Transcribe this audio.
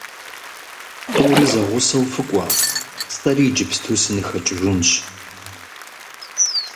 ТӀури зэгъусэу фыкӀуэ, сэри иджыпсту сыныхэкӀыжынщ.